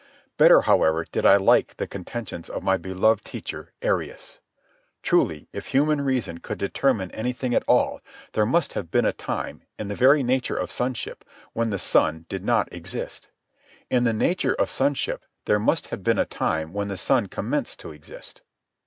Better, however, did I like the contentions of my beloved teacher, Arius. Truly, if human reason could determine anything at all, there must have been a time, in the very nature of sonship, when the Son did not exist. In the nature of sonship there must have been a time when the Son commenced to exist.